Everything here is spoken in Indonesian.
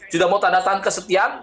sudah mau tandatangan kesetiaan